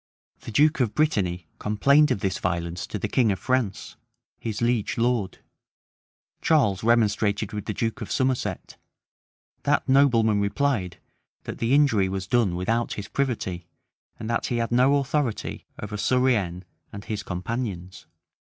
[*] The duke of Brittany complained of this violence to the king of France, his liege lord: Charles remonstrated with the duke of Somerset: that nobleman replied, that the injury was done without his privity, and that he had no authority over Surienne and his companions.